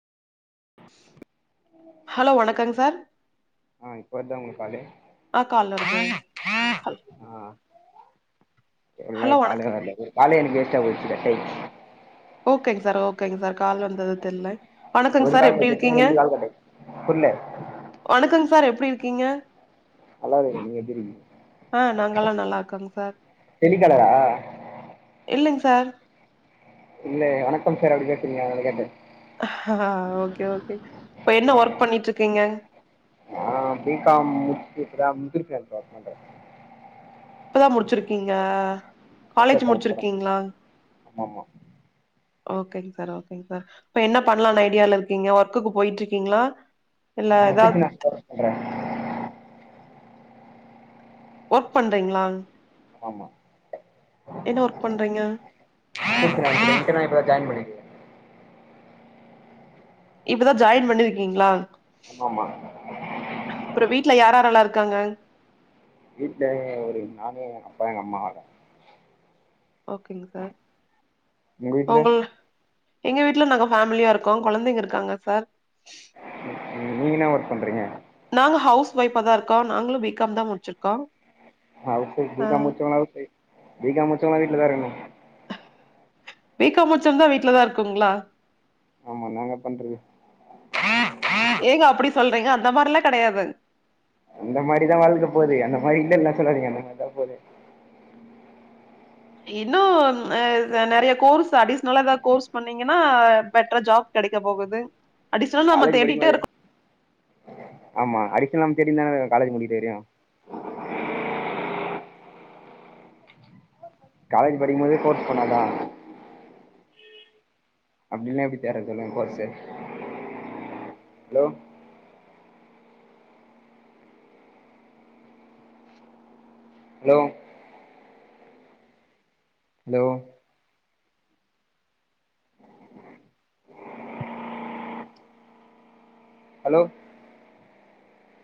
hello வணக்கங் sir ஆ இப்ப வருதா உங்களுக்கு காலு ஆ கால் வருது ஹல் ஆ எல்லா ஹலோ காலே வணக் [unintelligible] கால எனக்கு வேஸ்ட போய்ச்சு கட் ஆயிடுச்சு ஓகேங்க சார் ஓகேங்க சார் கால் வந்தது தெர்ல வணக்கங் ஒரு சார் கால் எப்டி கட்ட சட்ட இருக்கீங்க ரெண்டு கால் கட்டே புர்ல வணக்கங் சார் எப்டி இருக்கீங்க நல்லா இருக்கே நீங்க எப்டி இருக்கீங்க ஆ நாங்கெல்லா நல்லா இருக்கங்க சார் டெலிகாலரா இல்லிங் சார் இல்ல வணக்கம் சார் அப்டி பேசுறீங்களே அதுனால தா கேட்டே ஆ ஓகே ஓகே இப்ப என்ன ஒர்க் பண்ணிட் இருக்கீங்க ஆ பி காம் முடிச்சுட்டு இப்ப தா முந்திரி பேக்ட்ரில ஒர்க் பண்ற இப்பதா முடிச்சிருக்கீங்க காலேஜ் முடிச்சிருக்கீங்ளா ஆமா ஓகேங் சார் ஓகேங் சார் இப்ப என்ன பண்ணலான்னு ஐடியால இருக்கீங்க ஒர்க்குக்கு போயிட்டு இருக்கீங்ளா [unintelligible] வொக் பண்றீங்ளான் ஆமா என்ன ஒர்க் பண்றீங்க [inaudible] இப்பதா ஜாய்ன் பண்ணிருக்க இப்பதா ஜாயின் பண்ணிருக்கீங்ளா ஆமா ஆமா அப்றோ வீட்ல யார் யாரெல்லா இருக்காங்க வீட்ல ஒரு நானு ஏ அப்பா எங்க அம்மாதா ஓகேங் சார் உங்க வீட்ல ஓங்க எங்க வீட்ல நாங்க ஃபேமிலியா இருக்கோ கொழந்தைங்க இருக்காங்க சார் ம் நீங்க என்னா ஒர்க் பண்றீங்க நாங்க ஹவுஸ் ஒய்ஃபா தா இருக்கோ நாங்களும் பிகாம் தா முடிச்சிருக்கோம் ஹவுஸ் ஒய்ஃப் பீகாம் முடிச்சவங்களாவதுசரி பீ காம் முடிச்சவங்களா வீட்ல தா இருக்குணு பீகாம் முடிச்சவங்க வீட்லதா இருக்குங்களா ஆமா என்னங்க பண்றது எதுக்கு அப்டி சொல்றீங்க அந்த மாதிரில்லாம் கெடையாதுங்க அந்த மாரி தா வாழ்க்க போதே அந்த மாரி இல்லனுல்லா சொல்லாதீங்க அந்த மாதிரி போதே இன்னு நெறைய கோர்ஸ் அட்டீஷனலா எதா கோர்ஸ் பண்ணீங்கன்னா பெட்டரா ஜாப் கெடைக்க போகுது அடிஷ்னலா நம்ம காலேஜ் தேடிட்டே இருக் படிக்கும்போதே ஆமா அடிக்ஷன் நாம தேடின்னு தானே காலேஜ் முடிக்கறவரையும் காலேஜ் படிக்கும்போதே கோர்ஸ் பண்ணாதான் அப்படல்லாம் எப்படி தேடுறது சொல்லுங்க course hello hello hello hello